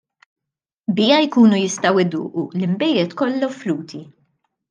Biha jkunu jistgħu jduqu l-inbejjed kollha offruti.